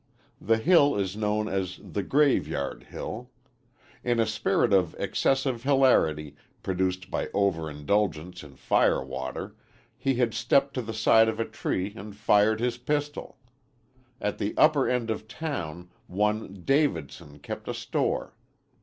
The hill is known as the Graveyard Hill. In a spirit of excessive hilarity, produced by over indulgence in fire water, he had stepped to the side of a tree and fired his pistol. At the upper end of town one Davidson kept a store.